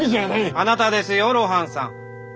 あなたですよ露伴さん。